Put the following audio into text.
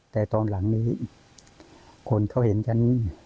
แต่ตอนหลังนี้คนเขาเห็นกัน